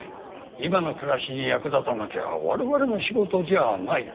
今の暮らしに役立たなきゃ我々の仕事じゃない。